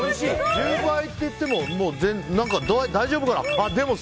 １０倍っていっても大丈夫。